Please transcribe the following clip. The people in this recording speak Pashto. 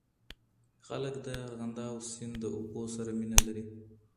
خلک د ارغنداب سیند د اوبو سره مینه لري.